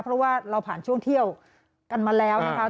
เพราะว่าเราผ่านช่วงเที่ยวกันมาแล้วนะคะ